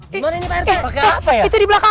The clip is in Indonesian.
gimana ini pak rete